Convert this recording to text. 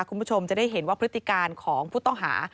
คุณผู้ชมจะได้เห็นว่าพฤติการของผู้ต้องหา